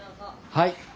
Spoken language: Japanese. はい。